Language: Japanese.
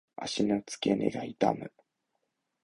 足の付け根が痛む。